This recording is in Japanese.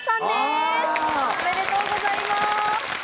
あぁ！おめでとうございます。